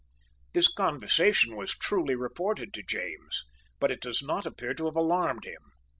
This conversation was truly reported to James; but it does not appear to have alarmed him.